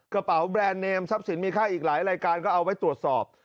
กระเป๋าแบรนด์เนมทรัพย์สินมีค่าอีกหลายรายการก็เอาไว้ตรวจสอบ